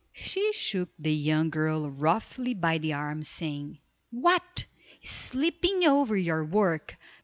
She shook the young girl roughly by the arm, saying, "What, sleeping over your work.